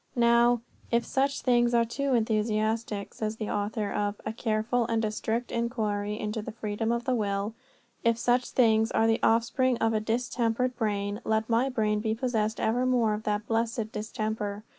"Now, if such things are too enthusiastic," says the author of A Careful and a Strict Enquiry into the Freedom of the Will, "if such things are the offspring of a distempered brain, let my brain be possessed evermore of that blessed distemper!